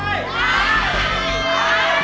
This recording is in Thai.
ได้ได้ได้